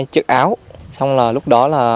hai chiếc áo xong là lúc đó là